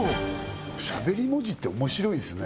しゃべり文字って面白いですね